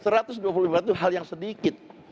satu ratus dua puluh lima itu hal yang sedikit